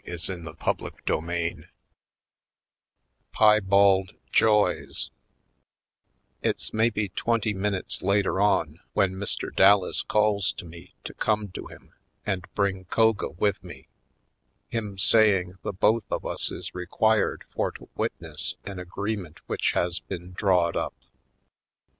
Piebald Joys 247 CHAPTER XX Piebald Joys IT'S maybe twenty minutes later on when Mr. Dallas calls to me to come to him and bring Koga with me, him saying the both of us is required for to witness an agreement which has been drawed up.